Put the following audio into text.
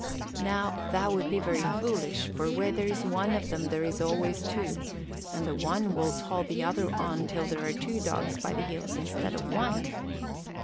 "Now, that would be very foolish, for where there's one of them, there's always two, and the one will toll the other on until there are two dogs by the heels instead of one."